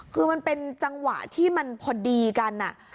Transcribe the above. คือมันเป็นจังหวะที่มันพอดีกัน